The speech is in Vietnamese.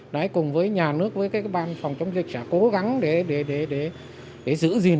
đấy cùng với nhà nước với cái ban phòng chống dịch sẽ cố gắng để giữ gìn